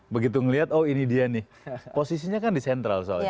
begitu ngelihat oh ini dia nih posisinya kan di sentral soalnya